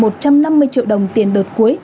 năm mươi triệu đồng tiền đợt cuối